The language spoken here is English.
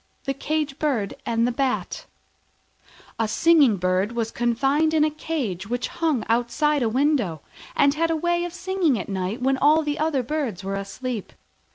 THE CAGE BIRD AND THE BAT A Singing bird was confined in a cage which hung outside a window, and had a way of singing at night when all other birds were asleep.